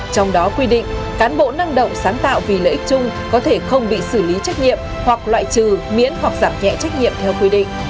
trong đó quy định cán bộ năng động sáng tạo vì lợi ích chung có thể không bị xử lý trách nhiệm hoặc loại trừ miễn hoặc giảm nhẹ trách nhiệm theo quy định